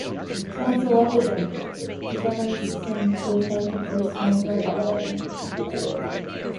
The Japanese soon could take the first train ride available in the Far East.